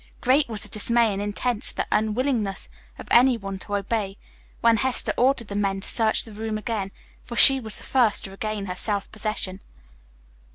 Great was the dismay and intense the unwillingness of anyone to obey when Hester ordered the men to search the room again, for she was the first to regain her self possession.